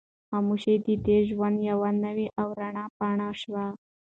خاموشي د ده د ژوند یوه نوې او رڼه پاڼه شوه.